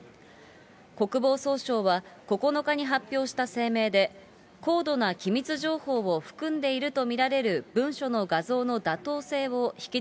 国防総省は９日に発表した声明で、高度な機密情報を含んでいると見られる文書の画像の妥当性を引き